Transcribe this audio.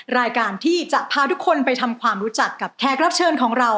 รายการที่จะพาทุกคนไปทำความรู้จักกับแขกรับเชิญของเรา